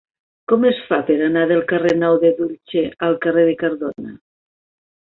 Com es fa per anar del carrer Nou de Dulce al carrer de Cardona?